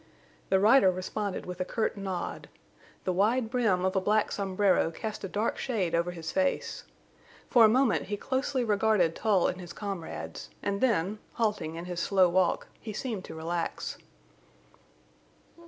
The rider responded with a curt nod. The wide brim of a black sombrero cast a dark shade over his face. For a moment he closely regarded Tull and his comrades, and then, halting in his slow walk, he seemed to relax.